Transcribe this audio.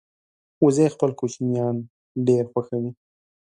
وزې خپل کوچنیان ډېر خوښوي